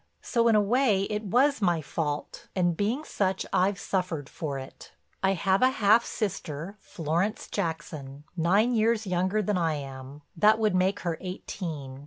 So, in a way it was my fault, and being such I've suffered for it. "I have a half sister, Florence Jackson, nine years younger than I am; that would make her eighteen.